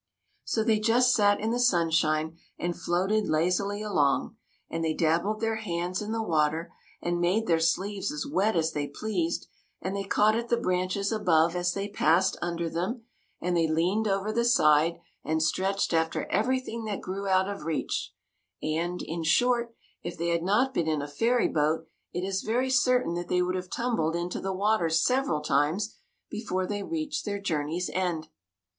So they just sat in the sunshine and floated lazily along, and they dabbled their hands in the water and made their sleeves as wet as they pleased, and they caught at the branches above as they passed under them, and they THE MAGICIAN'S TEA PARTY 33 leaned over the side and stretched after every thing that grew out of reach ; and, in short, if they had not been in a fairy boat, it is very certain that they would have tumbled into the water several times before they reached their journey's end.